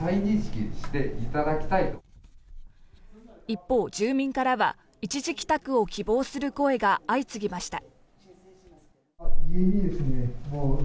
一方、住民からは一時帰宅を希望する声が相次ぎました。